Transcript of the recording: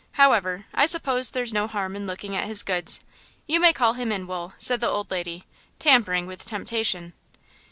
However, I suppose there's no harm in looking at his goods. You may call him in, Wool," said the old lady, tampering with temptation.